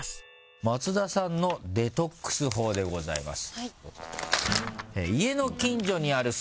松田さんのデトックス法でございます。